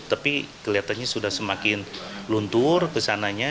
tapi kelihatannya sudah semakin luntur kesananya